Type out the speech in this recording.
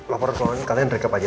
laporan laporan ini kalian rekap aja